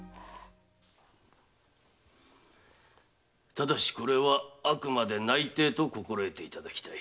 ただしこれはあくまで内定と心得ていただきたい。